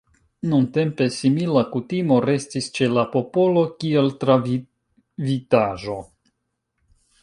Nuntempe simila kutimo restis ĉe la popolo, kiel travivitaĵo.